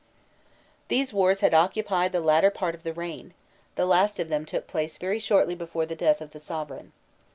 These wars had occupied the latter part of the reign; the last of them took place very shortly before the death of the sovereign.